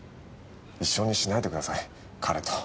一緒にしないでください彼と。